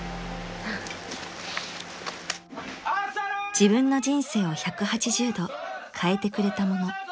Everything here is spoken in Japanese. ［自分の人生を１８０度変えてくれたもの］